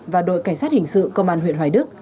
và đội cảnh sát hình sự công an huyện hoài đức